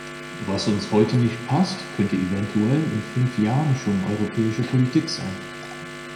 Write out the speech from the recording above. Was uns heute nicht passt, könnte eventuell in fünf Jahren schon europäische Politik sein.